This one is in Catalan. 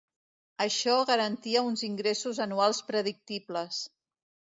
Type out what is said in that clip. Això garantia uns ingressos anuals predictibles.